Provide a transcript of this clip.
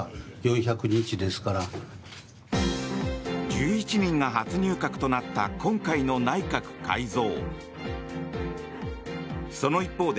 １１人が初入閣となった今回の内閣改造。